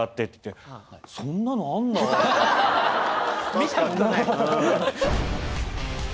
見たことない。